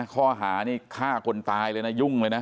ข้อหานี่ฆ่าคนตายเลยนะยุ่งเลยนะ